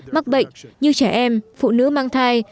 mắc bệnh như trẻ em phụ nữ mang thai